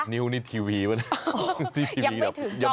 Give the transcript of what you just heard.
๑๗นิ้วนี่ทีวีหรือเปล่า